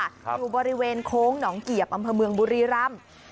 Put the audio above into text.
อยู่บริเวณโค้งหนองเกียบอำเภอเมืองบุรีรำ